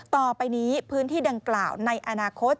ต่อไปนี้พื้นที่ดังกล่าวในอนาคต